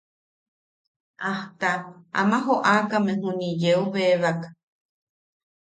Ajta ama joʼakame juni yeu bebak.